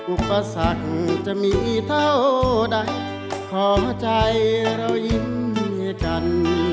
อุปสรรคจะมีเท่าใดขอใจเรายิ้มให้กัน